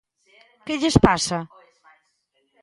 ¿Que lles pasa?